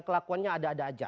lakuannya ada ada aja